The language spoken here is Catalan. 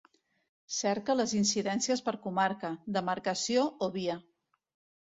Cerca les incidències per comarca, demarcació o via.